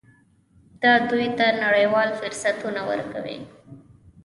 دا دوی ته نړیوال فرصتونه ورکوي.